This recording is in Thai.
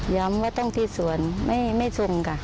ย้ำว่าต้องที่สวนไม่ซุ่มค่ะ